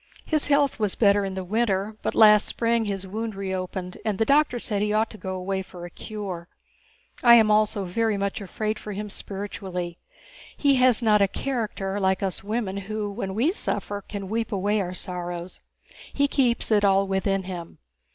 His health was better in the winter, but last spring his wound reopened and the doctor said he ought to go away for a cure. And I am also very much afraid for him spiritually. He has not a character like us women who, when we suffer, can weep away our sorrows. He keeps it all within him.